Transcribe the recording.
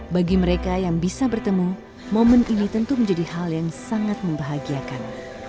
bagi mereka yang bisa bertemu momen ini tentu menjadi hal yang sangat membahagiakan